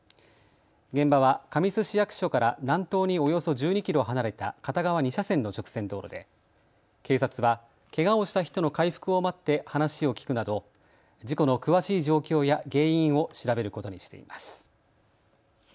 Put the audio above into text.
現場は神栖市役所から南東におよそ１２キロ離れた片側２車線の直線道路で警察はけがをした人の回復を待って話を聞くなど事故の詳しい状況や原因を調べることにしています。